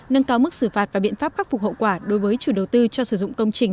nâng cao mức xử phạt và biện pháp khắc phục hậu quả đối với chủ đầu tư cho sử dụng công trình